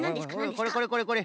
これこれこれこれ！